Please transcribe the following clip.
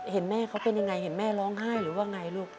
เห็นแม่เขาเป็นยังไงเห็นแม่ร้องไห้หรือว่าไงลูก